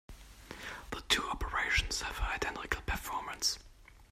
The two operations have an identical performance.